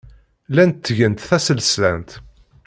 Llant ttgent tasestant.